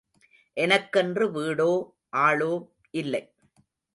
எனக்கென்று வீடோ, ஆளோ இல்லை.